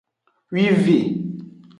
Wive.